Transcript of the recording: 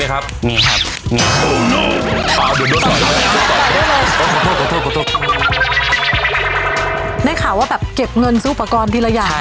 แล้วข่าวว่าแบบเก็บเงินอยู่ประกอบทีละอย่าง